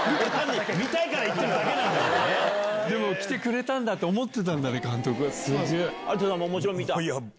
でも来てくれたんだ！と思ってたんだね監督が。